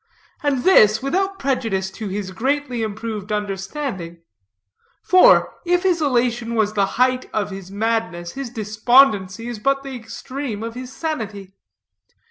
And this, without prejudice to his greatly improved understanding; for, if his elation was the height of his madness, his despondency is but the extreme of his sanity.